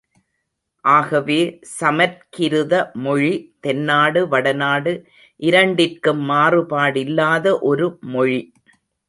ஆகவே சமற்கிருத மொழி தென்னாடு வடநாடு இரண்டிற்கும் மாறுபாடில்லாத ஒரு மொழி.